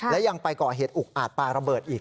และยังไปก่อเหตุอุกอาจปลาระเบิดอีก